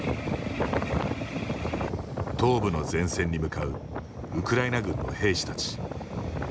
東部の前線に向かうウクライナ軍の兵士たち。